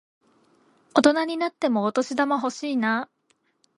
大人になってもお年玉欲しいなぁ。